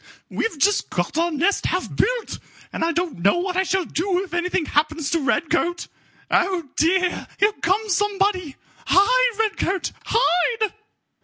We've just got our nest half built, and I don't know what I shall do if anything happens to Redcoat. Oh, dear, here comes somebody! Hide, Redcoat! Hide!"